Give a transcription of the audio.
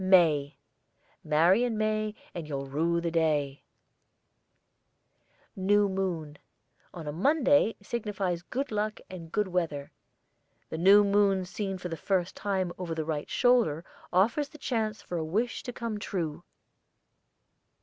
MAY. "Marry in May, and you'll rue the day." NEW MOON on a Monday signifies good luck and good weather. The new moon seen for the first time over the right shoulder offers the chance for a wish to come true.